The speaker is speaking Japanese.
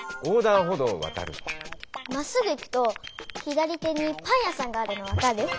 まっすぐ行くと左手にパン屋さんがあるの分かる？